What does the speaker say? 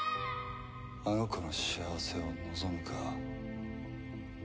あの子の幸せを望むか？